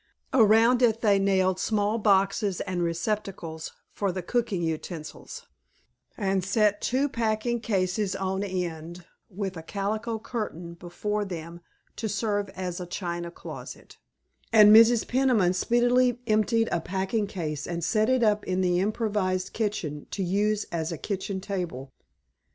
Around it they nailed small boxes and receptacles for the cooking utensils, and set two packing cases on end with a calico curtain before them to serve as a china closet, and Mrs. Peniman speedily emptied a packing case and set it up in the improvised kitchen to use as a kitchen table.